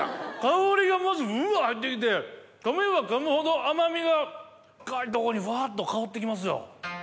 香りがまずうわ入って来てかめばかむほど甘みが深いとこにふわっと香って来ますよ。